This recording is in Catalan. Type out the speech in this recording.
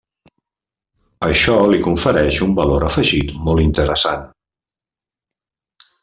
Això li confereix un valor afegit molt interessant.